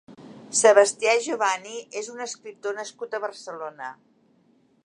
Sebastià Jovani és un escriptor nascut a Barcelona.